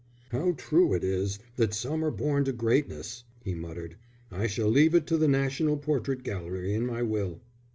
"How true it is that some are born to greatness!" he muttered. "I shall leave it to the National Portrait Gallery in my will."